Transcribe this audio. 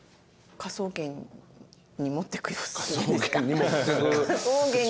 『科捜研』に持ってく。